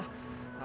selam hati pom ah